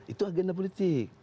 itu agenda politik